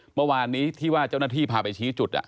เมื่อวานนี้ที่ว่าเจ้าหน้าที่พาไปชี้จุด